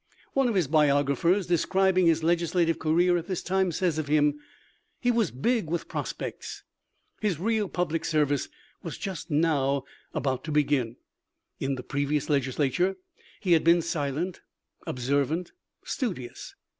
One of his biographers, describing his legislative career at this time, says of him :" He was big with prospects: his real public service was just now about to begin. In the previous Legislature he had been silent, observant, studious.